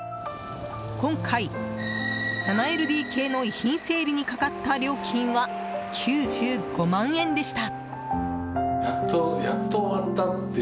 今回、７ＬＤＫの遺品整理にかかった料金は９５万円でした。